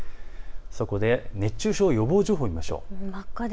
そこで熱中症予防情報を見ましょう。